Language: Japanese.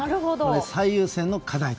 最優先の課題。